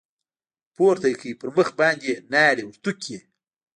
پورته يې كړ پر مخ باندې يې ناړې ورتو کړې.